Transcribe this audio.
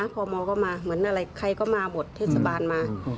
พอนมก็มาเหมือนใครมาหมดเทศบาลมา